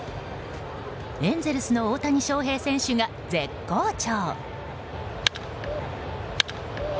エンゼルスの大谷翔平選手が絶好調。